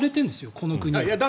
この国は。